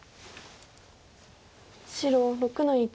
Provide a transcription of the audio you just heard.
白６の一。